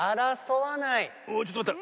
おっちょっとまった。